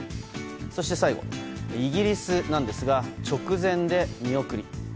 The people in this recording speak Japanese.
そして最後、イギリスですが直前で見送り。